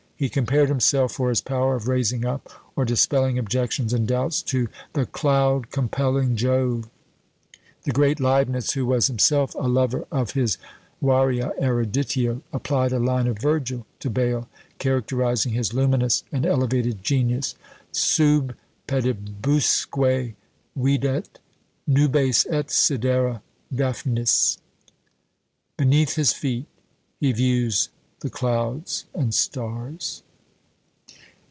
He compared himself, for his power of raising up, or dispelling objections and doubts, to "the cloud compelling Jove." The great Leibnitz, who was himself a lover of his varia eruditio, applied a line of Virgil to Bayle, characterising his luminous and elevated genius: Sub pedibusque videt nubes et sidera Daphnis. Beneath his feet he views the clouds and stars!